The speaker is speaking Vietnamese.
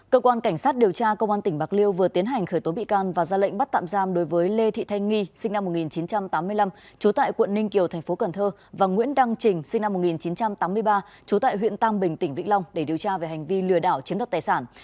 cơ quan cảnh sát điều tra công an tỉnh bạc liêu vừa tiến hành khởi tố bị can và ra lệnh bắt tạm giam đối với lê thị thanh nghi sinh năm một nghìn chín trăm tám mươi năm trú tại quận ninh kiều thành phố cần thơ và nguyễn đăng trình sinh năm một nghìn chín trăm tám mươi ba trú tại huyện tam bình tỉnh vĩnh long để điều tra về hành vi lừa đảo chiếm đặt tài sản